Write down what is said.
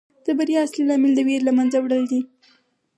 د بریا اصلي لامل د ویرې له منځه وړل دي.